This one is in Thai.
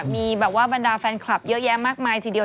มีแบบว่าบรรดาแฟนคลับเยอะแยะมากมายทีเดียว